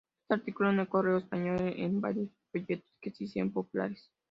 Escribió artículos en "El Correo Español" y varios folletos que se hicieron populares.